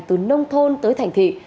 từ nông thôn tới thành thị